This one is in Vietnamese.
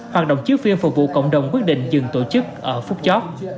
hoạt động chiếu phim phục vụ cộng đồng quyết định dừng tổ chức ở phút chót